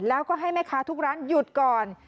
แล้วก็ให้แม่ค้าทุกร้านหยุดก่อน